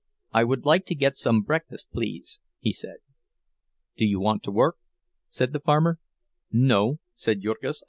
"I would like to get some breakfast, please," he said. "Do you want to work?" said the farmer. "No," said Jurgis.